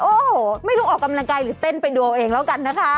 โอ้โหไม่รู้ออกกำลังกายหรือเต้นไปดูเอาเองแล้วกันนะคะ